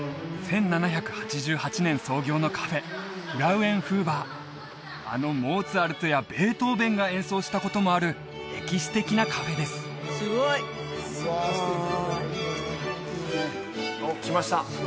１７８８年創業のカフェあのモーツァルトやベートーヴェンが演奏したこともある歴史的なカフェですおっ来ました